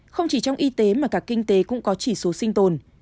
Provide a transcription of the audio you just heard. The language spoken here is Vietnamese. không chỉ trong y tế mà cả kinh tế cũng có chỉ số sinh tồn